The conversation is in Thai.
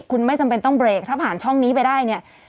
คุณไม่จำเป็นต้องเบรกถ้าผ่านช่องนี้ไปได้เนี่ย